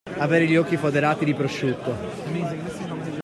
Avere gli occhi foderati di prosciutto.